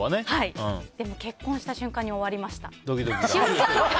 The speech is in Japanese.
でも、結婚した瞬間に終わりました。